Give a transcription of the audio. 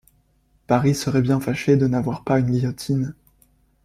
Paris serait bien fâché de n’avoir pas une guillotine.